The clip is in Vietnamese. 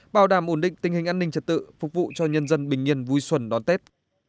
bảo đảm ổn định tình hình an ninh trật tự phục vụ cho nhân dân bình yên vui xuân đón tết